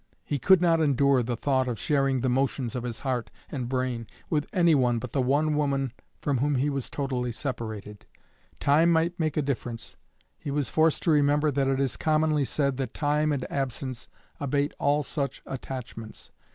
He could not endure the thought of sharing the motions of his heart and brain with anyone but the one woman from whom he was wholly separated. Time might make a difference; he was forced to remember that it is commonly said that time and absence abate all such attachments.